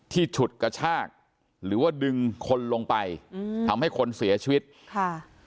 ฉุดกระชากหรือว่าดึงคนลงไปอืมทำให้คนเสียชีวิตค่ะ